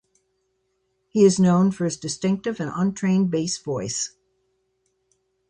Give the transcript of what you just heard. He is known for his distinctive and untrained bass voice.